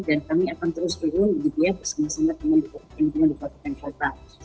dan kami akan terus turun gitu ya bersama sama dengan lintungan di kota bekasi